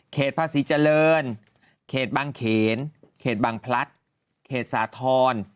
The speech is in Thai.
เขตพระศรีเจริญเขตบ้างเขนเขตบ้างพลัชเขตสาธรณ